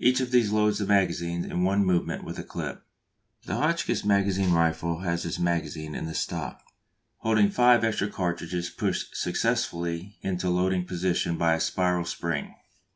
Each of these loads the magazine in one movement with a clip. The Hotchkiss magazine rifle has its magazine in the stock, holding five extra cartridges pushed successively into loading position by a spiral spring.